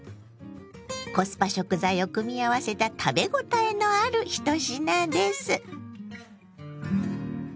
コスパ食材を組み合わせた食べ応えのある１品です。